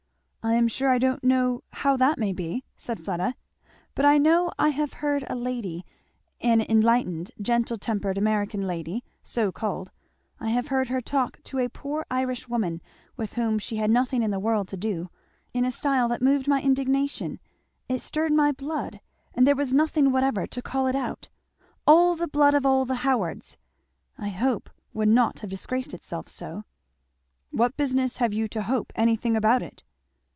"I am sure I don't know how that may be," said Fleda, "but I know I have heard a lady, an enlightened, gentle tempered American lady, so called, I have heard her talk to a poor Irish woman with whom she had nothing in the world to do, in a style that moved my indignation it stirred my blood! and there was nothing whatever to call it out. 'All the blood of all the Howards,' I hope would not have disgraced itself so." "What business have you to 'hope' anything about it?"